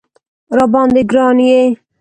راباندې ګران یې